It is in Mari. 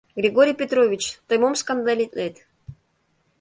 — Григорий Петрович, тый мом скандалитлет?